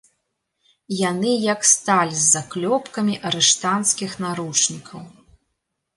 Яны як сталь з заклёпкамі арыштанцкіх наручнікаў.